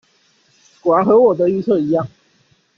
果然和我的預測一樣